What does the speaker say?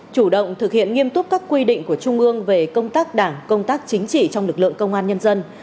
chủ động thực hiện nghiêm túc các quy định của trung ương về công tác đảng công tác chính trị trong lực lượng công an nhân dân